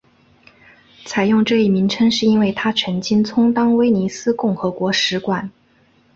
采用这一名称是因为它曾经充当威尼斯共和国使馆。